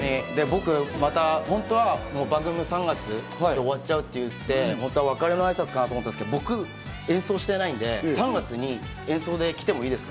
番組も３月で終わっちゃうって言って、別れの挨拶かなと思ったんですけど、僕、演奏してないんで３月に演奏で来てもいいですか？